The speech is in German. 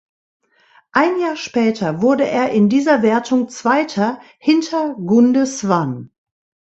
Ein Jahr später wurde er in dieser Wertung Zweiter hinter Gunde Svan.